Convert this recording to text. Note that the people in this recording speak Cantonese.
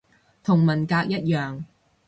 同文革一樣